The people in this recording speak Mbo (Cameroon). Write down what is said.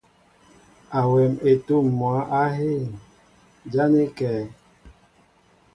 Awɛm etǔm mwǎ á hîn, ján é kɛ̌?